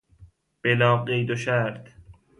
بلاقید وشرط